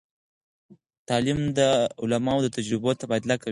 تعلیم د علماوو د تجربو تبادله کوي.